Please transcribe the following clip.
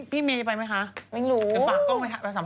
พี่แมยก็ไปไหมครับ